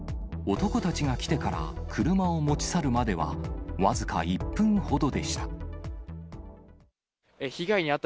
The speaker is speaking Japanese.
男たちが来てから車を持ち去るまでは僅か１分ほどでした。